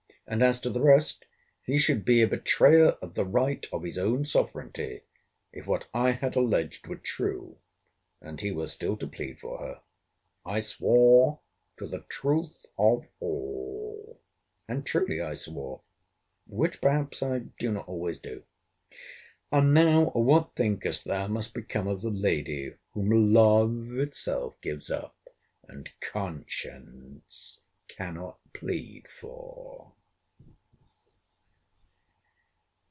And as to the rest, he should be a betrayer of the rights of his own sovereignty, if what I had alleged were true, and he were still to plead for her. I swore to the truth of all. And truly I swore: which perhaps I do not always do. And now what thinkest thou must become of the lady, whom LOVE itself gives up, and CONSCIENCE cannot plead for?